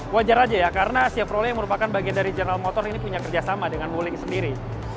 wajar aja ya karena chevrolet yang merupakan bagian dari jurnal motor ini punya kerja sama dengan wuling sendiri